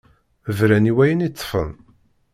Bran i wayen i ṭṭfen.